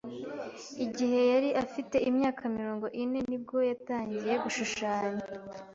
Igihe yari afite imyaka mirongo ine ni bwo yatangiye gushushanya.